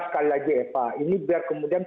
sekali lagi eva ini biar kemudian